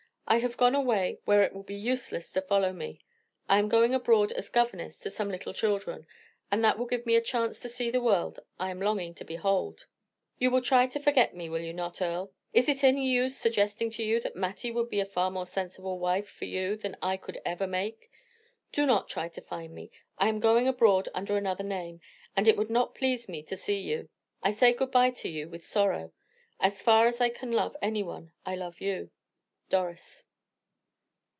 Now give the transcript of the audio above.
I have gone away where it will be useless to follow me. I am going abroad as governess to some little children, and that will give me a chance to see the world I am longing to behold. "You will try to forget me, will you not, Earle? Is it any use suggesting to you that Mattie would be a far more sensible wife for you than I could ever make? Do not try to find me; I am going abroad under another name, and it would not please me to see you. I say good bye to you with sorrow. As far as I can love any one, I love you. _Doris.